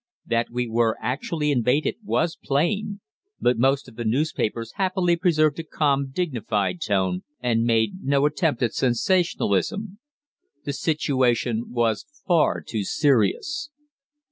That we were actually invaded was plain, but most of the newspapers happily preserved a calm, dignified tone, and made no attempt at sensationalism. The situation was far too serious.